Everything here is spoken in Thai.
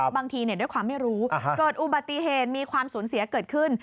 บางทีด้วยความไม่รู้เกิดอุบัติเหตุมีความสูญเสียเกิดขึ้น